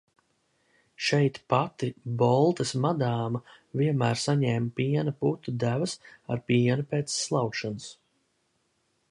"Šeit pati "Boltes madāma" vienmēr saņēma piena putu devas ar pienu pēc slaukšanas."